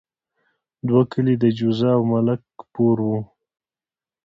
دوه کلي د جوزه او ملک پور وو.